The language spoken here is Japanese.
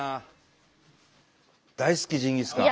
大好きジンギスカン。